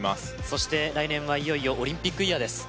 そして来年はいよいよオリンピックイヤーです